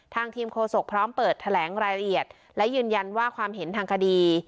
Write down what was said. ทางทีมโฆษกพร้อมเปิดแถลงรายละเอียดและยืนยันว่าความเห็นทางคดี